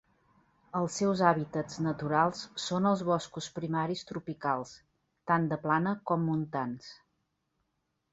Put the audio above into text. Els seus hàbitats naturals són els boscos primaris tropicals, tant de plana com montans.